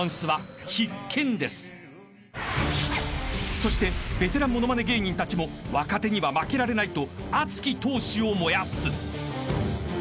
［そしてベテランものまね芸人たちも若手には負けられないと熱き闘志を燃やす］